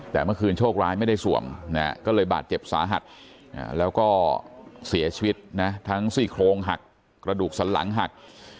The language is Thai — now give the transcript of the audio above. แต่เมื่อคืนโชคร้ายไม่ได้ส่วงก็เลยบาดเจ็บสาหัสแล้วก็เสียชีวิตนะทั้งซี่โครงหักกระดูกสันหลังหัก